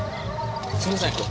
すいません。